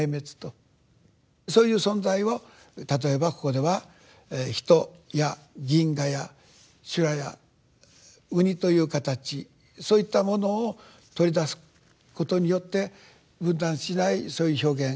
そういう存在を例えばここでは人や銀河や修羅や海胆という形そういったものを取り出すことによって分断しないそういう表現。